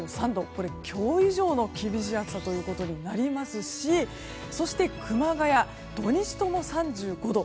今日以上の厳しい暑さとなりますしそして熊谷、土日とも３５度。